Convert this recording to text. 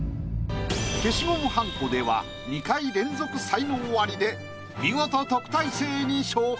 消しゴムはんこでは２回連続才能アリで見事。